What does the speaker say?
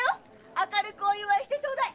明るくお祝いしてちょうだい！